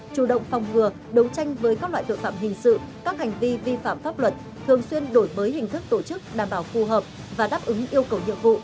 chủ động phòng ngừa đấu tranh với các loại tội phạm hình sự các hành vi vi phạm pháp luật thường xuyên đổi mới hình thức tổ chức đảm bảo phù hợp và đáp ứng yêu cầu nhiệm vụ